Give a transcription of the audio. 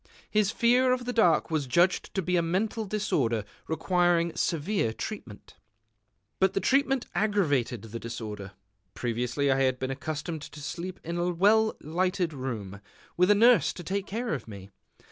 His fear of the dark was judged to be a mental disorder requiring severe treatment. But the treatment aggravated the disorder. Previously I had been accustomed to sleep in a well lighted room, with a nurse to take care of me.